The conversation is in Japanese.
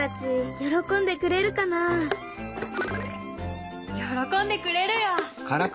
喜んでくれるよ！